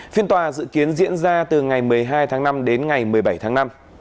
phiên tòa dự kiến diễn ra từ ngày một mươi hai tháng năm đến ngày một mươi bảy tháng năm